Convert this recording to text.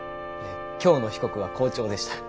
今日の被告は校長でした。